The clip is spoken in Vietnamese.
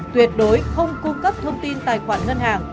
tuyệt đối không cung cấp thông tin tài khoản ngân hàng